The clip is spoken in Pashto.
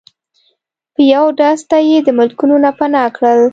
په یو ډز ته یی د ملکونو نه پناه کړل